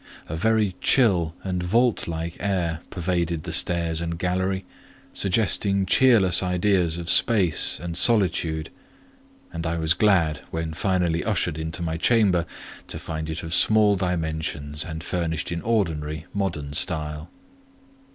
A very chill and vault like air pervaded the stairs and gallery, suggesting cheerless ideas of space and solitude; and I was glad, when finally ushered into my chamber, to find it of small dimensions, and furnished in ordinary, modern style.